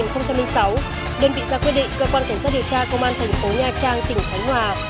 đơn vị xã quyết định cơ quan cảnh sát điều tra công an huyện vạn ninh tỉnh thánh hòa